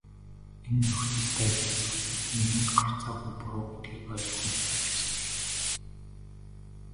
Энэ нөхцөл байдлаас үзэхэд миний гарцаагүй буруу гэдгийг ойлгуулж амжжээ.